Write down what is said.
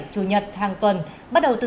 chủ nhật hàng tuần bắt đầu từ